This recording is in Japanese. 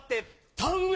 田植え。